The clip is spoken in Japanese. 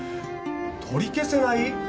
取り消せない！？